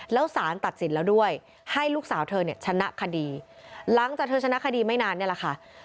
แล้วสารตัดสินแล้วด้วยให้ลูกสาวเธอเนี่ยชนะคดีหลังจากเธอชนะคดีไม่นานเนี่ยแหละค่ะ